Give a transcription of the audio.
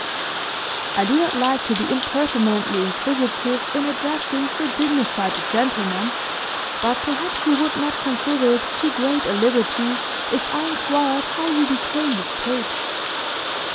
"I do not like to be impertinently inquisitive in addressing so dignified a gentleman, but perhaps you would not consider it too great a liberty, if I inquired how you became his page?"